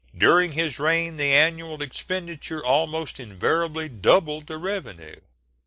During his reign the annual expenditure almost invariably doubled the revenue.